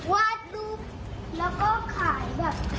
วาดรูปแล้วก็ขายแบบ